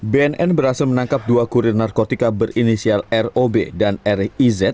badan narkotika nasional menangkap dua kurir narkotika berinisial rob dan riz